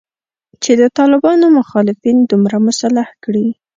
چې د طالبانو مخالفین دومره مسلح کړي